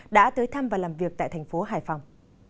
đã tới thăm và làm việc tại thành phố hải phòng